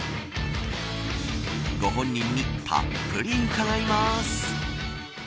ご本人にたっぷりうかがいます。